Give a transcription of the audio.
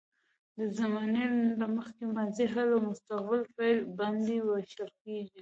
د زمانې له مخې ماضي، حال او مستقبل فعل باندې ویشل کیږي.